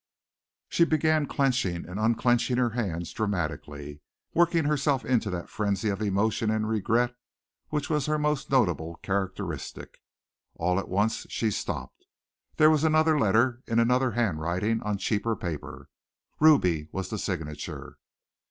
She began clenching and unclenching her hands dramatically, working herself into that frenzy of emotion and regret which was her most notable characteristic. All at once she stopped. There was another letter in another handwriting on cheaper paper. "Ruby" was the signature.